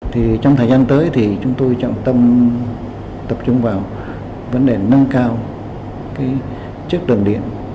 trong thời gian tới chúng tôi trọng tâm tập trung vào vấn đề nâng cao chất lượng điện